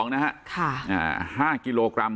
๕๒นะคะ๕กิโลกรัม